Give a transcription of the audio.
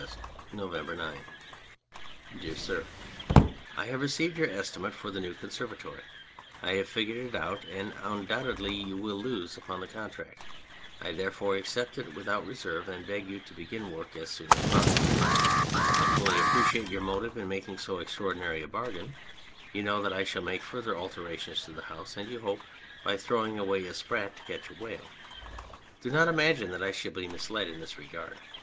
November 9. DEAR SIR, I have received your estimate for the new conservatory ; I have figured it out and undoubtedly you will lose upon the contract. J therefore accept it without reserve and beg you to begin work as soon as possible. I fully appreciate your motive in making so extraordinary a bargain : you know that I shall make further alterations to the house, and you hope by throwing away a sprat to catch a whale. Do not imagine that I shall be misled in this regard.